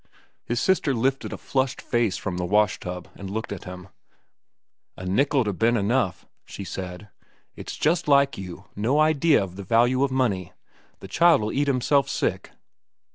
His sister lifted a flushed face from the wash tub and looked at him. "A nickel'd ha' ben enough," she said. "It's just like you, no idea of the value of money. The child'll eat himself sick."